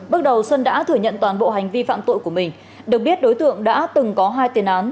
bước đầu xuân đã thừa nhận toàn bộ hành vi phạm tội của mình được biết đối tượng đã từng có hai tiền án